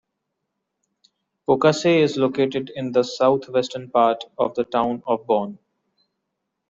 Pocasset is located in the southwestern part of the town of Bourne.